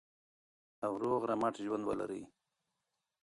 او روغ رمټ ژوند ولرئ.